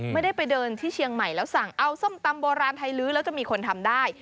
ไม่ได้ไปเดินที่เชียงใหม่แล้วสั่งเอาส้มตำโบราณไทยลื้อแล้วจะมีคนทำได้